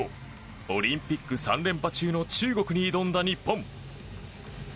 オリンピック３連覇中の中国に挑んだ日本。